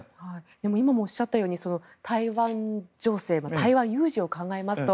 今、おっしゃったように台湾情勢、台湾有事を考えますと